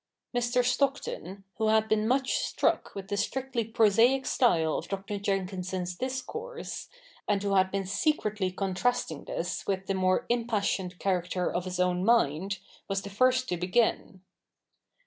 jSIr. Stockton, who had been much struck with the strictly prosaic style of Dr. Jenkinson's discourse, and who liad been secretly contrasting this w^th the more im passioned character of his own mind, was the first to begin.